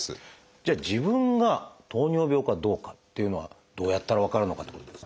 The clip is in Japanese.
じゃあ自分が糖尿病かどうかっていうのはどうやったら分かるのかってことですが。